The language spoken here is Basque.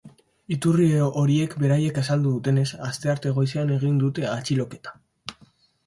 Iturri horiek beraiek azaldu dutenez, astearte goizean egin dute atxiloketa.